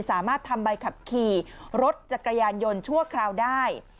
สามารถทำใบขับขี่รถจักรยานยนต์ชั่วคราวได้